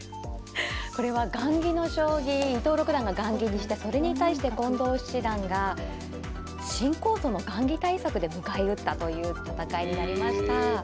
これは雁木の将棋伊藤六段が雁木にしてそれに対して近藤七段が新構想の雁木対策で迎え撃ったという戦いになりました。